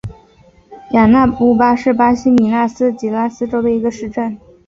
雅纳乌巴是巴西米纳斯吉拉斯州的一个市镇。